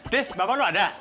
tis bapak lu ada